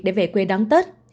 để về quê đón tết